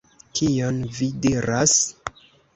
Kion vi diras?